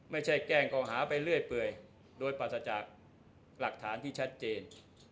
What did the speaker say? แจ้งเขาหาไปเรื่อยเปื่อยโดยปราศจากหลักฐานที่ชัดเจน